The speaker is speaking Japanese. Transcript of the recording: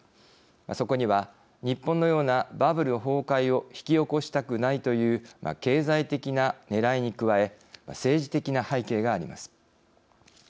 そこには、日本のようなバブル崩壊を引き起こしたくないという経済的なねらいに加え政治的な背景があります。